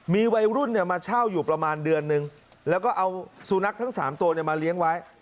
มีวัยรุ่นมาเช่าอยู่ประมาณเดือนนึงแล้วก็เอาสุนัขทั้ง๓ตัวมาเลี้ยงไว้